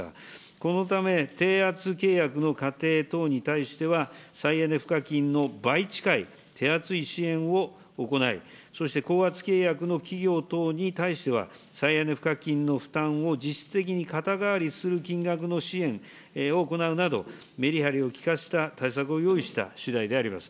このため、低圧契約の家庭等に対しては、再エネ賦課金の倍近い手厚い支援を行い、そしてこうあつ契約の企業等に対しては、再エネ賦課金の負担を実質的に肩代わりする金額の支援を行うなど、メリハリを利かせた対策を用意したしだいであります。